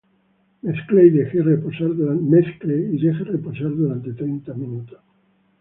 Mezcle y deje reposar durante treinta minutos.